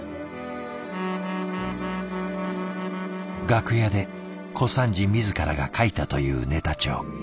楽屋で小三治自らが書いたというネタ帳。